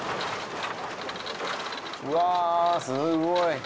うわぁすごい。